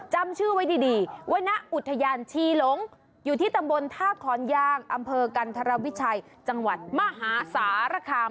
จำชื่อไว้ดีวรรณอุทยานชีหลงอยู่ที่ตำบลท่าขอนยางอำเภอกันธรวิชัยจังหวัดมหาสารคาม